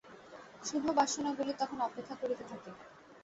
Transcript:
শুভ বাসনাগুলি তখন অপেক্ষা করিতে থাকিবে।